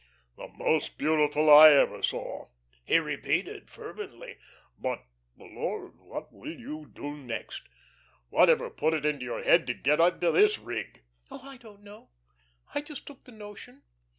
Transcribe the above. "The most beautiful I ever saw," he repeated, fervently. "But Lord, what will you do next? Whatever put it into your head to get into this rig?" "Oh, I don't know. I just took the notion.